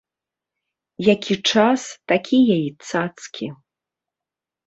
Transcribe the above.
Які час, такія і цацкі.